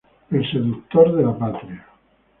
El seductor de la patria.